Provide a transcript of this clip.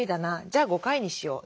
じゃあ５回にしよう。